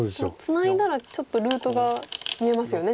ツナいだらちょっとルートが見えますよね